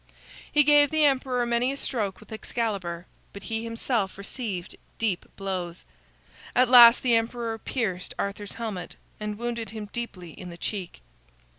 He gave the emperor many a stroke with Excalibur, but he himself received deep blows. At last the emperor pierced Arthur's helmet, and wounded him deeply in the cheek.